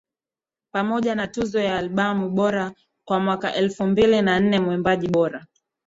pamoja na Tuzo ya Albamu Bora kwa mwaka elfu mbili na nne Mwimbaji Bora